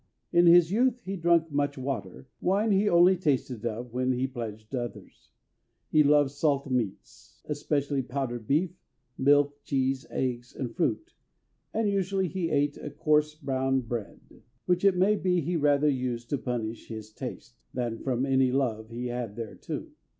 In his youth he drunke much water, wine he only tasted of, when he pledged others; he loved salte meates, especially powdered beefe, milke, cheese, eggs and fruite, and usually he eate of corse browne bread, which it may be he rather used to punish his taste, than from anie love he had thereto.